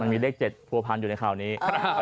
มันมีเลข๗ทั่วพาร์นอยู่ในข่าวนี้